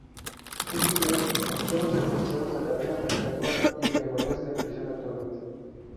Él y Cross fueron sentenciados a cadena perpetua, y permanecen en prisión actualmente.